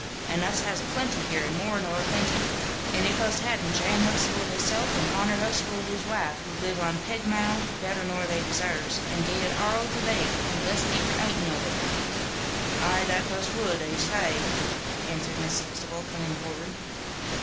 And us has a plenty here, and more nor a plenty. And if us hadn't, Jan Huxtable hisself, and Honor Huxtable his waife, wud live on pegmale (better nor they desarves) and gie it arl to thee, and bless thee for ating of it." "Ay, that us wud, ees fai," answered Mrs. Huxtable, coming forward.